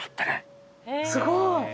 すごい！